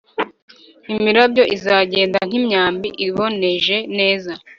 imirabyo izagenda nk'imyambi iboneje neza